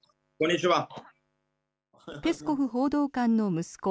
ペスコフ報道官の息子